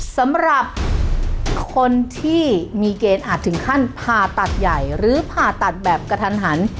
สำหรับคนที่มีเกณฑ์อาจถึงขั้นผ่าตัดใหญ่หรือผ่าตัดแบบกระทันหัน